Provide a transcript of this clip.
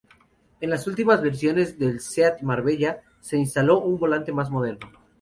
En las últimas versiones del Seat Marbella se instaló un volante más moderno.